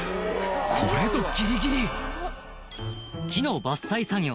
これぞギリギリ木の伐採作業